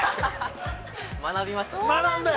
◆学びましたね。